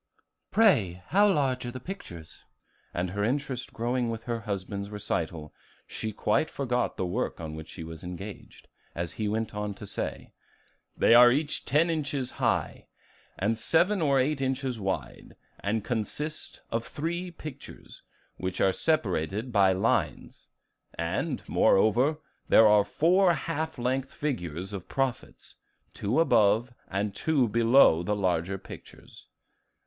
"Pray, how large are the pictures?" and her interest growing with her husband's recital, she quite forgot the work on which she was engaged, as he went on to say, "They are each ten inches high and seven or eight inches wide, and consist of three pictures which are separated by lines; and, moreover, there are four half length figures of prophets, two above and two below the larger pictures.